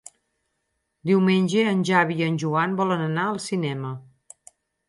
Diumenge en Xavi i en Joan volen anar al cinema.